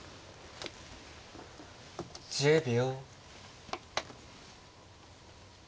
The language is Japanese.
１０秒。